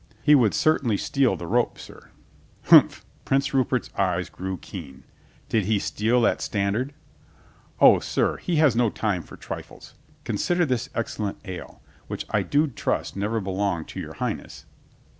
"He would certainly steal the rope, sir." "Humph !" Prince Rupert's eyes grew keen. "Did he steal that standard?" "O, sir, he has no time for trifles. Consider this excellent ale — which I do trust never belonged to your Highness."